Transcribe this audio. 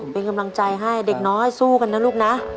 เป็นกำลังใจให้เด็กน้อยสู้กันนะลูกนะ